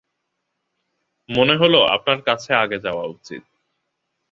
মনে হলো, আপনার কাছে আগে যাওয়া উচিত।